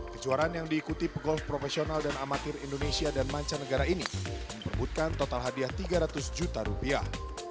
kejuaraan yang diikuti pegolf profesional dan amatir indonesia dan mancanegara ini memperbutkan total hadiah tiga ratus juta rupiah